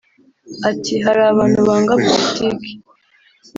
Ati “Hari abantu banga politiki